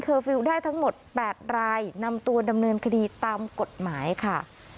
ฟิลล์ได้ทั้งหมด๘รายนำตัวดำเนินคดีตามกฎหมายค่ะ